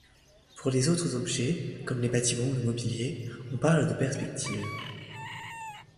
Pour autres objets, comme les bâtiments ou le mobilier, on parle de perspective.